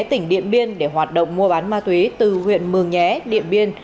tỉnh điện biên để hoạt động mua bán ma túy từ huyện mường nhé điện biên